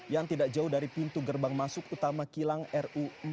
yang tidak jauh dari pintu gerbang masuk utama kilang ru empat